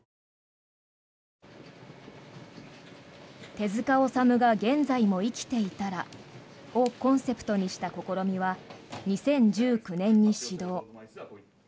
「手塚治虫が現在も生きていたら」をコンセプトにした試みは、２０１９年に始動。